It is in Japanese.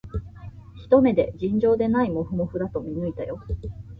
ひと目で、尋常でないもふもふだと見抜いたよ